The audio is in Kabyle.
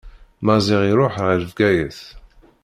Maziɣ iruḥ ɣer Bgayet.